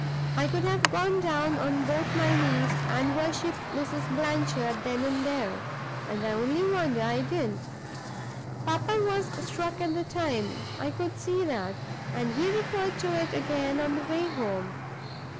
I could have gone down on both my knees and worshipped Mrs. Blanchard then and there; and I only wonder I didn't! Papa was struck at the time I could see that and he referred to it again on the way home.